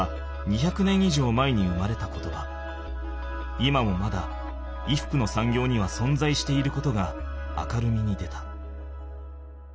今もまだ衣服のさんぎょうにはそんざいしていることが明るみに出た。